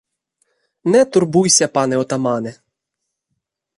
Не турбуйся, пане отамане!